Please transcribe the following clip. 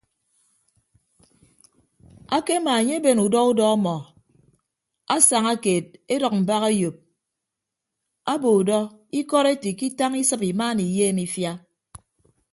Akemaa enye eben udọ udọ ọmọ asaña keed edʌk mbak eyop abo udọ ikọd ete ikitañ isịp imaana iyeem ifia.